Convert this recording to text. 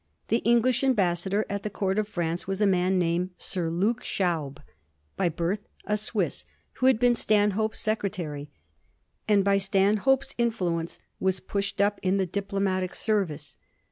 The English ambassador at the Court of France was a man named Sir Luke Schaub, by birth a Swiss, who had been Stanhope's secretary, and by Stanhope's influence was pushed up in the diplomatic service.